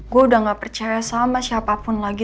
gue udah gak percaya sama siapapun lagi